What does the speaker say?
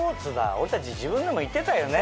俺たち自分でも言ってたよね？